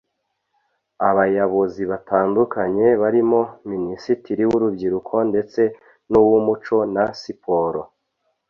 Abayabozi batandukanye barimo minisitiri w’urubyiruko ndetse n’uw’umuco na siporo